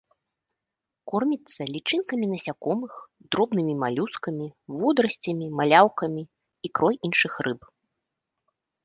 Корміцца лічынкамі насякомых, дробнымі малюскамі, водарасцямі, маляўкамі, ікрой іншых рыб.